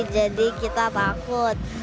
jadi kita takut